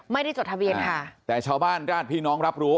ไม่ได้จดทะเบียนค่ะแต่ชาวบ้านราชพี่น้องรับรู้